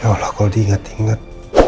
hai ya allah kalau diingat ingat